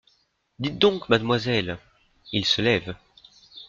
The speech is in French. Dites donc, mademoiselle… il se lève…